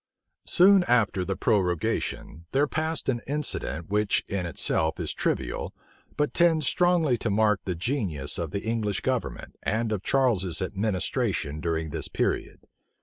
Soon after the prorogation, there passed an incident, which in itself is trivial, but tends strongly to mark the genius of the English government, and of Charles's administration during this period.